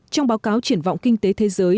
trong báo cáo triển vọng kinh tế thế giới